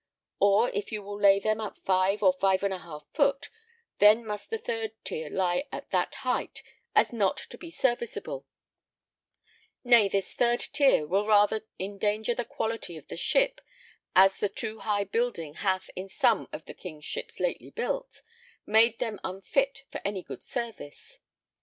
Or if you will lay them at 5 or 5½ foot, then must the third tier lie at that height as not to be serviceable, nay this third tier will rather endanger the quality of the ship (as the too high building hath in some of the king's ships lately built, made them unfit for any good service).